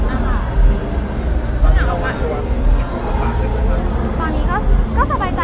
คุณหลังว่าหรือว่าอีกทุกประหว่างหรือเปล่า